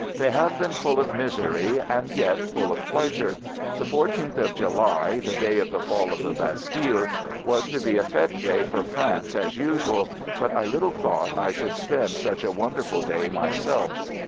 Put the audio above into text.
They have been full of misery and yet full of pleasure. The 14th of July, the day of the fall of the Bastille, was to be a fete day for France as usual, but I little thought I should spend such a wonderful day myself.